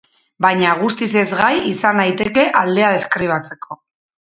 Baina guztiz ezgai izan naiteke aldea deskribatzeko.